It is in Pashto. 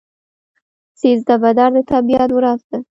سیزده بدر د طبیعت ورځ ده.